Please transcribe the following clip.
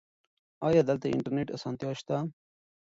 ایا دلته د انټرنیټ اسانتیا شته؟